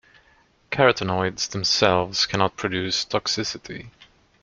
Carotenoids themselves cannot produce toxicity.